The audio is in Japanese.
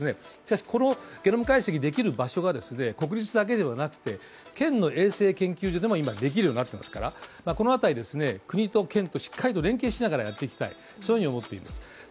しかしこのゲノム解析できる場所が国立だけではなくて、県の衛生研究所でも今できるようなってますからこの辺りですね、国と県としっかりと連携しながらやっていきたいというふうに思っています。